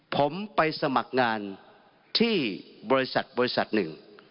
ผมไปสมัครงานที่บริษัทบริษัทหนึ่ง